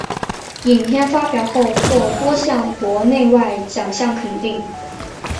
影片发表后获多项国内外奖项肯定。